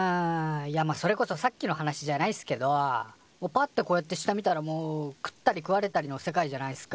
いやまあそれこそさっきの話じゃないっすけどもうパッてこうやって下見たらもう食ったり食われたりの世界じゃないっすか。